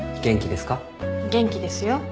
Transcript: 元気ですよ。